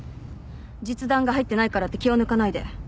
実弾が入ってないからって気を抜かないで。